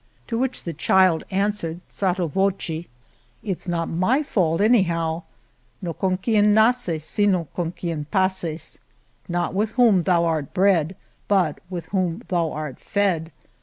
To which the child an swered, sotto voce, It's not my fault, any how. 'No con quien naces sino con quien paces, ^ Not with whom thou art bred but with whom thou art fed."